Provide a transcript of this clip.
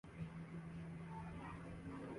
قوم نے انتھک محنت اور سچی لگن